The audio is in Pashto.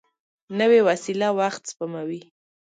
نوې وسېله وخت سپموي